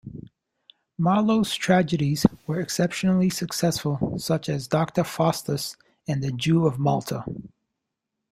Marlowe's tragedies were exceptionally successful, such as "Doctor Faustus" and "The Jew of Malta".